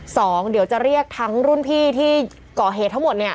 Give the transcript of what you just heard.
สองเดี๋ยวจะเรียกทั้งรุ่นพี่ที่ก่อเหตุทั้งหมดเนี่ย